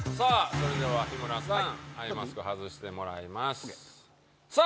それでは日村さんアイマスク外してもらいますさあ